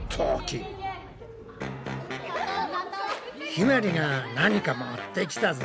ひまりが何か持ってきたぞ！